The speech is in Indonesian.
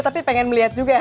tapi pengen melihat juga